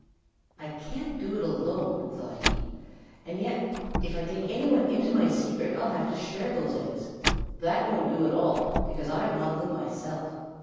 "I can't do it alone," thought he, "and yet if I take any one into my secret, I'll have to share those eggs. That won't do at all, because I want them myself.